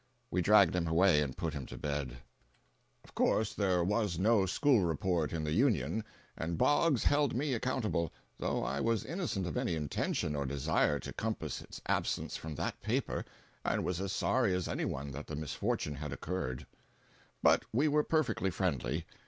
We dragged him away and put him to bed. 301.jpg (93K) Of course there was no school report in the Union, and Boggs held me accountable, though I was innocent of any intention or desire to compass its absence from that paper and was as sorry as any one that the misfortune had occurred. But we were perfectly friendly.